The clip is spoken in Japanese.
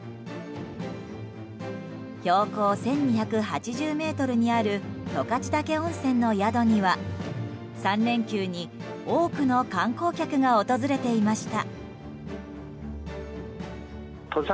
標高１２８０ｍにある十勝岳温泉の宿には３連休に、多くの観光客が訪れていました。